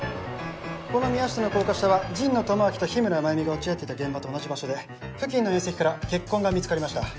このミヤシタの高架下は神野智明と日村繭美が落ち合っていた現場と同じ場所で付近の縁石から血痕が見つかりました。